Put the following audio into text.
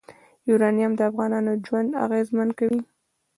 یورانیم د افغانانو ژوند اغېزمن کوي.